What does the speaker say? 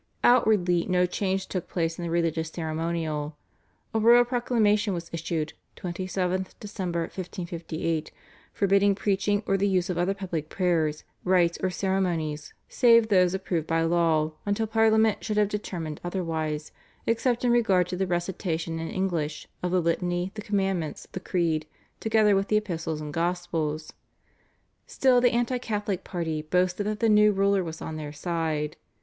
Outwardly no change took place in the religious ceremonial. A royal proclamation was issued (27th Dec., 1558) forbidding preaching or the use of other public prayers, rites, or ceremonies save those approved by law until Parliament should have determined otherwise, except in regard to the recitation in English, of the Litany, the Commandments, the Creed, together with the Epistles and Gospels. Still the anti Catholic party boasted that the new ruler was on their side.